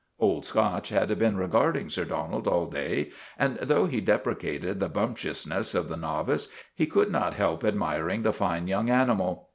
Old Scotch had been regarding Sir Donald all day, and though he deprecated the bumptiousness of the novice, he could not help admiring the fine young animal.